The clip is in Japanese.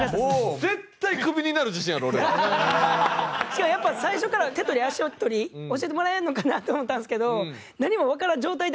しかも最初から手取り足取り教えてもらえるのかなと思ったんですけど。